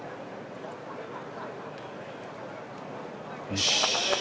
よし。